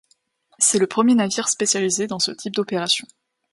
C'est le premier navire spécialisé dans ce type d'opérations.